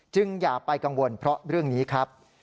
อย่าไปกังวลเพราะเรื่องนี้ครับ